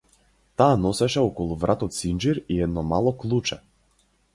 Таа носеше околу вратот синџир и едно мало клуче.